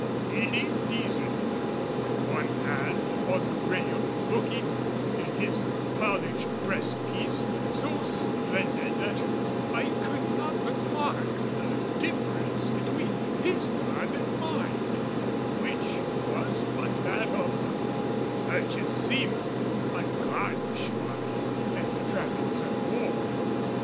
He leaned easily with one hand upon the rail, looking, in his polished breast piece, so splendid that I could not but mark the difference between his garb and mine, which was but that of the merchant seaman, ungarnished by any trappings of war.